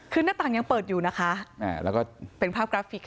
คือหน้าต่างยังเปิดอยู่นะคะแล้วก็เป็นภาพกราฟิกค่ะ